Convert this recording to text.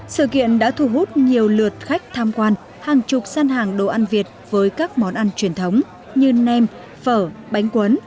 sự kiện đã thu hút nhiều lượt khách tham quan hàng chục gian hàng đồ ăn việt với các món ăn truyền thống như nem phở bánh quấn